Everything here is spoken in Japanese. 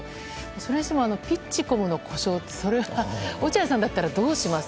それにしてもピッチコムの故障って落合さんだったらどうします？